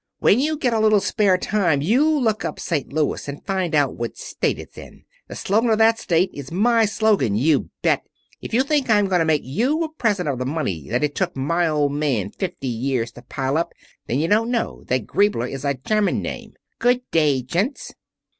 When you get a little spare time, you look up St. Louis and find out what state it's in. The slogan of that state is my slogan, you bet. If you think I'm going to make you a present of the money that it took my old man fifty years to pile up, then you don't know that Griebler is a German name. Good day, gents."